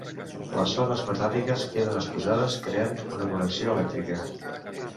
Les zones metàl·liques queden exposades creant una connexió elèctrica.